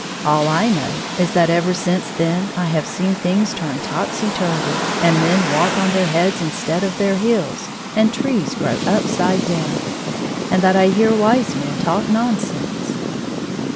All I know is that ever since then I have seen things turned topsy turvy, and men walk on their heads instead of their heels, and trees grow upside down, and that I hear wise men talk nonsense.